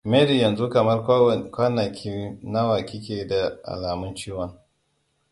mary yanzu kamar kwanaki nawa kike da alamun ciwon